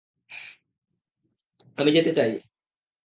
আমি যেতে চাই!